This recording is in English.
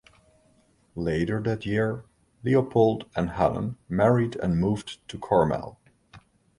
Later that year Leopold and Helen married and moved to Carmel.